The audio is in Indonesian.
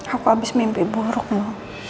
aku habis mimpi buruk nino